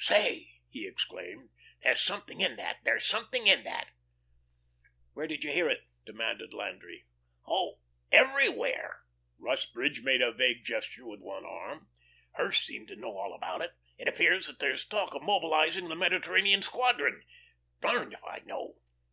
"Say," he exclaimed, "there's something in that, there's something in that!" "Where did you hear it?" demanded Landry. "Oh everywhere." Rusbridge made a vague gesture with one arm. "Hirsch seemed to know all about it. It appears that there's talk of mobilising the Mediterranean squadron. Darned if I know."